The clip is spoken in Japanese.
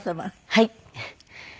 はい。